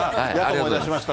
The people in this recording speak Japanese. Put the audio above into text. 思い出しました。